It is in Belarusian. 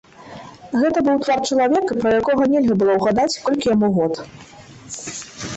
Гэта быў твар чалавека, пра якога нельга было ўгадаць, колькі яму год.